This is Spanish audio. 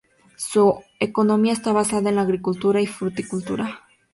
Su economía está basada a en la agricultura y fruticultura.